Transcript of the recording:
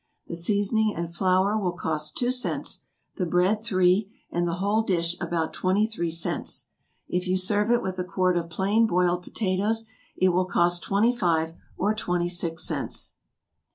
The seasoning and flour will cost two cents, the bread three, and the whole dish about twenty three cents. If you serve it with a quart of plain boiled potatoes it will cost twenty five or twenty six cents.